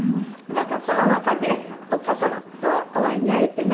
なんかコロナ禍でお母様とはお会いになれていない？